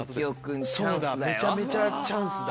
そうだめちゃめちゃチャンスだ。